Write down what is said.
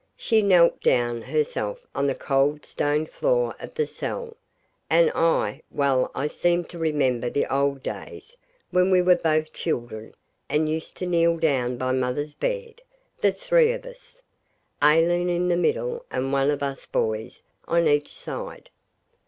She knelt down herself on the cold stone floor of the cell; and I well I seemed to remember the old days when we were both children and used to kneel down by mother's bed, the three of us, Aileen in the middle and one of us boys on each side.